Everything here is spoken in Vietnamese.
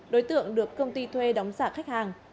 đối tượng được công ty thuê đóng giả khách hàng